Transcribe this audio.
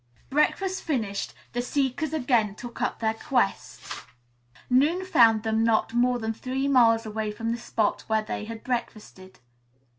Breakfast finished, the seekers again took up their quest. Noon found them not more than three miles away from the spot where they had breakfasted.